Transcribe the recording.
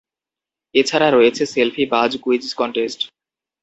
এ ছাড়া রয়েছে সেলফি বাজ কুইজ কনটেস্ট।